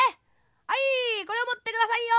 はいこれをもってくださいよ」。